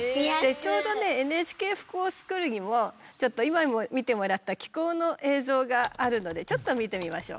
ちょうどねＮＨＫｆｏｒＳｃｈｏｏｌにもちょっと今見てもらった気孔の映像があるのでちょっと見てみましょう。